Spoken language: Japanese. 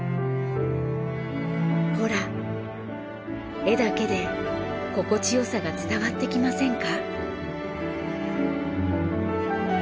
ほら絵だけで心地よさが伝わってきませんか？